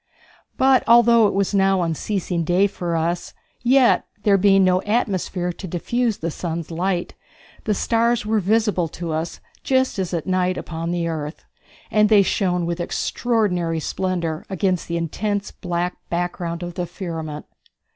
But, although it was now unceasing day for us, yet, there being no atmosphere to diffuse the sun's light, the stars were visible to us just as at night upon the earth, and they shone with extraordinary splendor against the intense black background of the firmament.